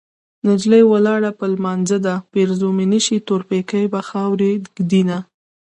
نجلۍ ولاړه په لمانځه ده پېرزو مې نشي تور پيکی په خاورو ږدينه